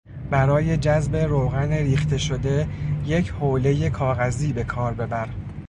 برای جذب روغن ریخته شده یک حولهی کاغذی به کار ببر.